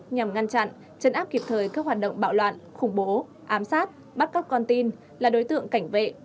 nhằm ngăn chặn chấn áp kịp thời các hoạt động bạo loạn khủng bố ám sát bắt cóc con tin là đối tượng cảnh vệ